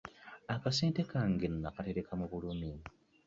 Akasente kange nakatereka mu bulumi.